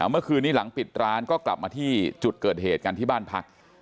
เมื่อคืนนี้หลังปิดร้านก็กลับมาที่จุดเกิดเหตุกันที่บ้านพัก